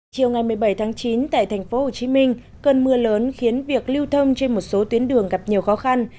chiều ngày một mươi bảy tháng chín tại tp hcm cơn mưa lớn khiến việc lưu thông trên một số tuyến đường gặp nhiều khó khăn